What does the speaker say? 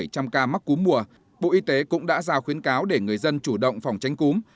trong khi có bảy trăm linh ca mắc cúm mùa bộ y tế cũng đã giao khuyến cáo để người dân chủ động phòng tránh cúm